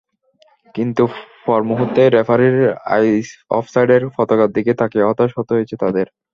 কিন্তু পরমুহূর্তেই রেফারির অফসাইডের পতাকার দিকে তাকিয়ে হতাশ হতে হয়েছে তাদের।